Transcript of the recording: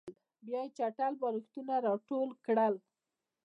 بیا یې چټل بالښتونه راټول کړل